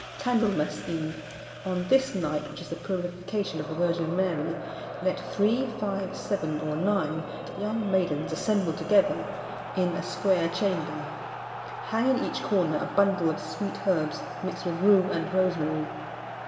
"Candlemas Eve. On this night (which is the purification of the Virgin Mary), let three, five, seven, or nine young maidens assemble together in a square chamber. Hang in each corner a bundle of sweet herbs, mixed with rue and rosemary.